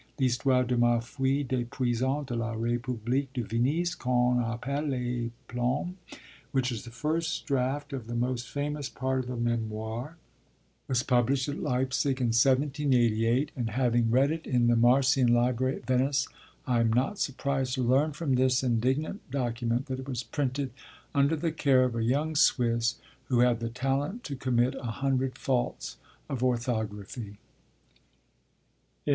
L'Histoire de ma Fuite des Prisons de la République de Venise, qu'on appelle les Plombs, which is the first draft of the most famous part of the Memoirs, was published at Leipzig in 1788; and, having read it in the Marcian Library at Venice, I am not surprised to learn from this indignant document that it was printed 'under the care of a young Swiss, who had the talent to commit a hundred faults of orthography.'